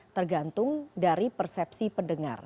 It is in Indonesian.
tergantung dari persepsi pendengar